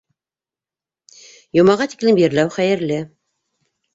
Йомаға тиклем ерләү хәйерле...